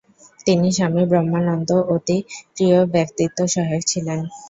তিনি স্বামী ব্রহ্মানন্দ অতি প্রিয় ব্যক্তিগত সহায়ক ছিলেন।